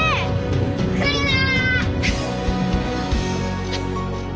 来るな！